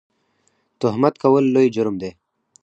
تهمت کول لوی جرم دی